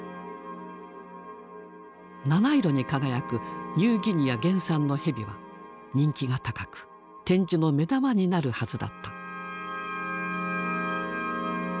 七色に輝くニューギニア原産のヘビは人気が高く展示の目玉になるはずだった。